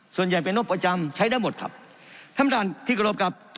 ส่วนใหญ่เป็นงบประจำใช้ได้หมดครับท่านประธานที่กรบครับ